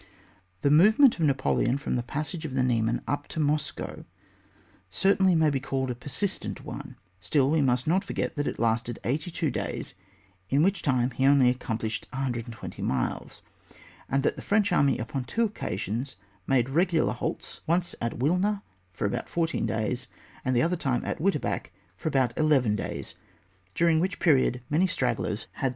The movement of Napoleon frx)m the passage of the Niemen up to Moscow certainly may be called a persistent one ; still, we must not forget that it lasted eighty two days, in which time he only accomplished 120 miles, and that the French army upon two occasions made regular halts, once at Wilna for about fourteen days, and the other time at Witebsk for about eleven days, during which periods many stragglers had time * All these figures are taken from Chambray.